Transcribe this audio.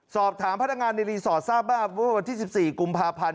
สอบถามพนักงานในรีสอร์ททราบว่าเมื่อวันที่๑๔กุมภาพันธ์